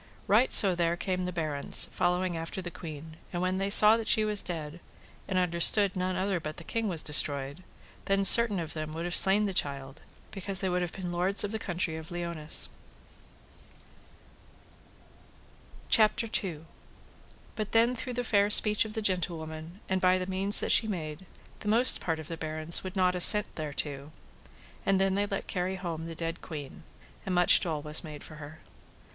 Right so there came the barons, following after the queen, and when they saw that she was dead, and understood none other but the king was destroyed. CHAPTER II. How the stepmother of Sir Tristram had ordained poison for to have poisoned Sir Tristram. Then certain of them would have slain the child, because they would have been lords of the country of Liones. But then through the fair speech of the gentlewoman, and by the means that she made, the most part of the barons would not assent thereto. And then they let carry home the dead queen, and much dole was made for her.